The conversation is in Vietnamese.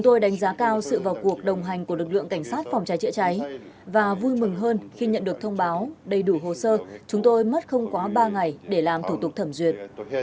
tôi đánh giá cao sự vào cuộc đồng hành của lực lượng cảnh sát phòng cháy chữa cháy và vui mừng hơn khi nhận được thông báo đầy đủ hồ sơ chúng tôi mất không quá ba ngày để làm thủ tục thẩm duyệt